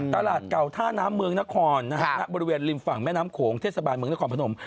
ตลาดเก่าท่าน้ำเมืองนครนะฮะณบริเวณริมฝั่งแม่น้ำโขงเทศบาลเมืองนครพนม